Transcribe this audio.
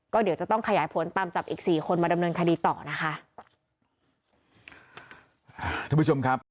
ก็เดี๋ยวจะต้องขยายผลตามจับอีกสี่คนมาดำเนินคดีต่อนะคะ